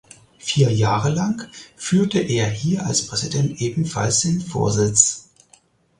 Vier Jahre lang führte er hier als Präsident ebenfalls den Vorsitz.